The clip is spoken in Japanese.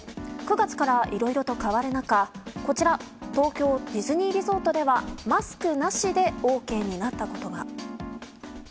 ９月からいろいろと変わる中こちら東京ディズニーリゾートではマスクなしでＯＫになったことが。